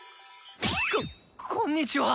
こっこんにちは。